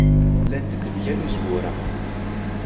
Llant-d mgal uzwur-a.